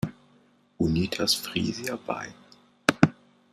Unitas Frisia bei.